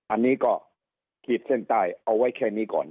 อันนี้ก็ขีดเส้นใต้เอาไว้แค่นี้ก่อน